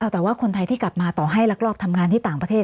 แต่ว่าคนไทยที่กลับมาต่อให้ลักลอบทำงานที่ต่างประเทศ